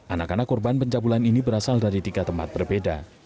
anak anak korban pencabulan ini berasal dari tiga tempat berbeda